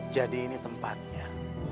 jadi ini tempatnya